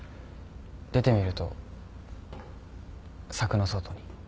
出てみると柵の外に。